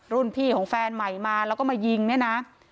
รุ่นพี่ของแฟนใหม่มาแล้วก็มายิงเนี่ยนะ